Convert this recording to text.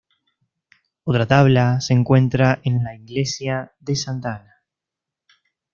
Otra tabla se encuentra en la Iglesia de Santa Ana.